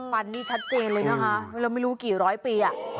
ฟันนี่ชัดเจนเลยนะคะแล้วไม่รู้กี่ร้อยปีอ่ะ